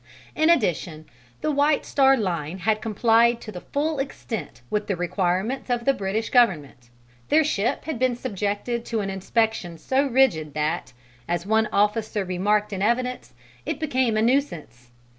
In addition, the White Star Line had complied to the full extent with the requirements of the British Government: their ship had been subjected to an inspection so rigid that, as one officer remarked in evidence, it became a nuisance.